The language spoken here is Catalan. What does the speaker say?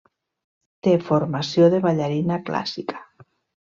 Té formació de ballarina clàssica.